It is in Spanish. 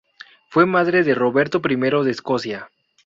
Fue madre de Roberto I de Escocia.